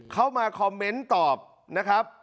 เข้ามาคอมเมนต์ตอบนะครับ